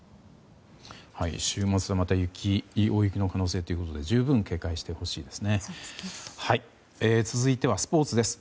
週末はまた大雪の可能性ということで十分、警戒してほしいですね。